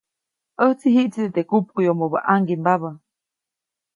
ʼÄjtsi jiʼtside teʼ kupkuʼyomobä ʼaŋgimbabä.